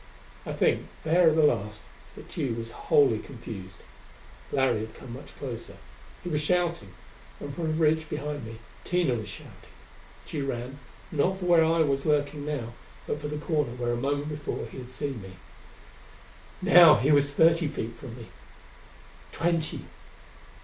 I think, there at the last, that Tugh was wholly confused. Larry had come much closer. He was shouting: and from the ridge behind me Tina was shouting. Tugh ran, not for where I was lurking now, but for the corner where a moment before he had seen me. Now he was thirty feet from me.... Twenty....